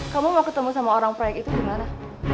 kamu mau ketemu sama orang proyek itu di mana